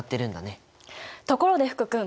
ところで福君。